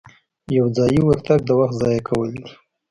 یو ځایي ورتګ د وخت ضایع کول دي.